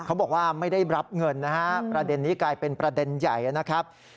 บอกว่าไม่ได้รับเงินนะฮะประเด็นนี้กลายเป็นประเด็นใหญ่นะครับ